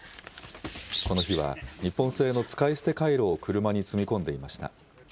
この日は日本製の使い捨てカイロを車に積み込んでいました。